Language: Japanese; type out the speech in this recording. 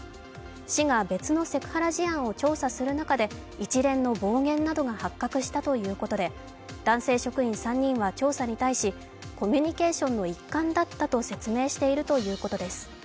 市が別のセクハラ事案を調査する中で一連の暴言などが発覚したということで男性職員３人は調査に対しコミュニケーションの一環だったと説明しているということです。